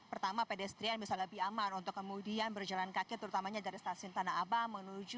pertama pedestrian bisa lebih aman untuk kemudian berjalan kaki terutamanya dari stasiun tanah abang